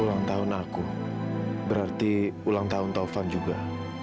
ulang tahun aku berarti ulang tahun taufan juga